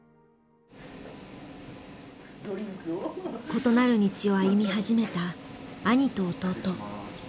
異なる道を歩み始めた兄と弟。